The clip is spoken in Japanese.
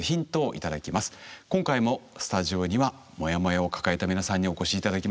今回もスタジオにはモヤモヤを抱えた皆さんにお越し頂きました。